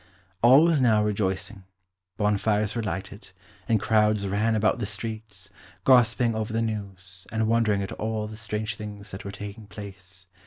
All was now rejoicing. Bonfires were lighted, and crowds ran about the streets, gossiping over the news, and wondering at all the strange things that were taking place.